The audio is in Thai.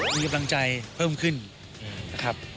มีกำลังใจเพิ่มขึ้นนะครับ